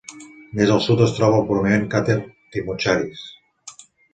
Més al sud es troba el prominent cràter Timocharis